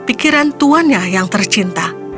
pikiran tuannya yang tercinta